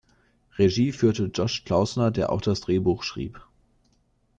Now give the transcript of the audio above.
Regie führte Josh Klausner, der auch das Drehbuch schrieb.